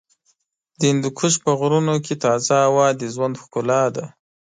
د هندوکش په غرونو کې تازه هوا د ژوند ښکلا ده.